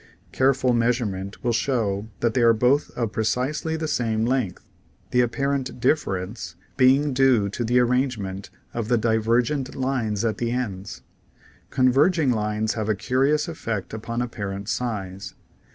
Careful measurement will show that they are both of precisely the same length, the apparent differ 154 THE SEVEN FOLLIES OF SCIENCE ence being due to the arrangement of the divergent lines at the ends. Converging lines have a curious effect upon apparent size.